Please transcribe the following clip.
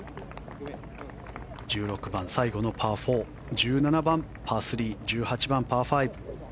１６番、最後のパー４１７番、パー３１８番、パー５。